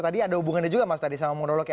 tadi ada hubungannya juga mas tadi sama monolognya